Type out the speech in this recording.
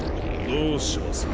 どうします？